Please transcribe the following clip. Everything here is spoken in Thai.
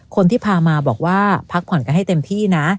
คนที่พามาบอกว่าพักผ่อนกันให้เต็มที่นะ